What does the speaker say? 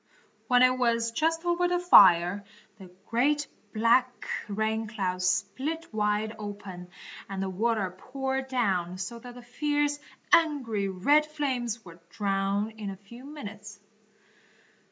When it was just over the fire, the great, black, rain cloud split wide open, and the water poured down so that the fierce, angry, red flames were drowned in a few minutes.